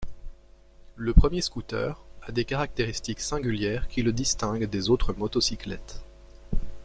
Le premier scooter a des caractéristiques singulières qui le distinguent des autres motocyclettes.